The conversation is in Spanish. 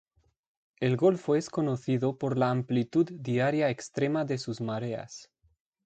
El golfo es conocido por la amplitud diaria extrema de sus mareas.